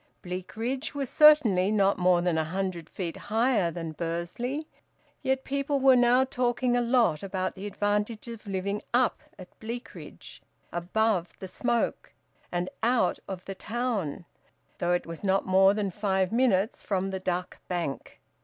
Bleakridge was certainly not more than a hundred feet higher than Bursley; yet people were now talking a lot about the advantages of living `up' at Bleakridge, `above' the smoke, and `out' of the town, though it was not more than five minutes from the Duck Bank.